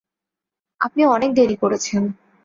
আপনি অনেক দেরি করেছেন!